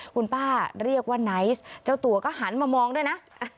คุณป้าเรียกว่าไนท์เจ้าตัวก็หันมามองด้วยนะ